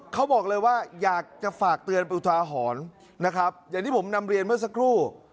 เขาบอกเลยว่าอยากจะฝากเตือนอุทาหรณ์นะครับอย่างที่ผมนำเรียนเมื่อสักครู่